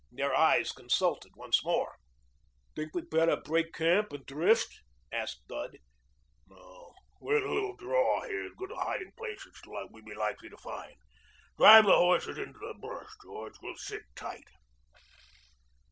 Their eyes consulted once more. "Think we better break camp and drift?" asked Dud. "No. We're in a little draw here as good a hiding place as we'd be likely to find. Drive the horses into the brush, George. We'll sit tight."